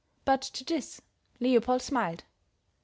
But to this Leopold smiled.